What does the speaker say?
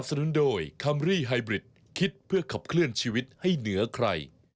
คุณแม่สวัสดีค่ะ